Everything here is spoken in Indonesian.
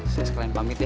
saya sekalian pamit ya